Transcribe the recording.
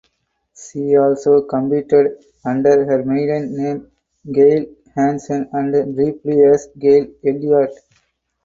She also competed under her maiden name Gail Hansen and briefly as Gail Elliott.